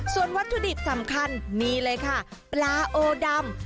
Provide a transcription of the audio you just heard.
ส่วนวัตถุดิบสำคัญนี่เลยค่ะปลาโอดำ